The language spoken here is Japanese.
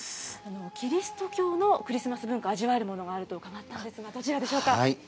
キリスト教の文化、味わえるものがあると伺ったんですが、どちらでしょうか。